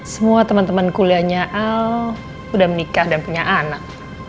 semua teman teman kuliahnya al udah menikah dan punya anak